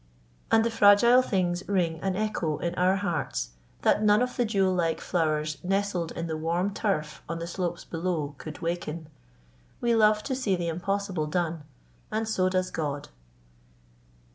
"And the fragile things ring an echo in our hearts that none of the jewel like flowers nestled in the warm turf on the slopes below could waken. We love to see the impossible done, and so does God."